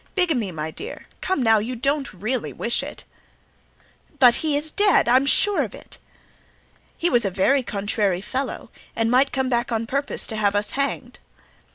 "Bigamy, my dear! Come now, you don't really wish it?" "But he is dead; I am sure of it." "He was a very contrary fellow and might come back on purpose to have us hanged."